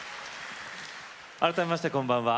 改めまして、こんばんは。